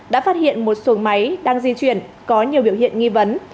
đã phát hiện một xuồng máy đang di chuyển có nhiều biểu hiện nghi vấn